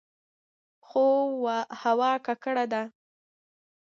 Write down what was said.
خو هوا ککړه ده.